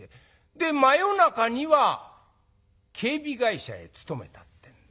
で真夜中には警備会社へ勤めたってんで。